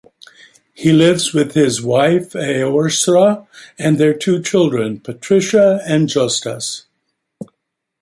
He lives with his wife, Aorsra, and their two children, Patricia and Jostas.